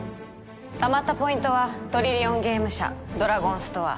たまったポイントはトリリオンゲーム社ドラゴンストア